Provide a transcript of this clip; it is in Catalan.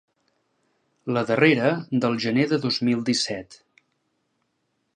La darrera, del gener de dos mil disset.